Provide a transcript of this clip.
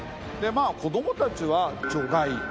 まあ子供たちは除外。